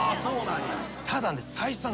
ただね。